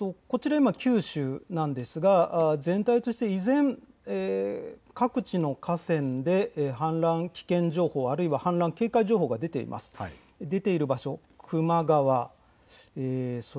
こちら九州ですが全体として各地の河川で氾濫危険情報、あるいは氾濫警戒情報が出ている場所があります。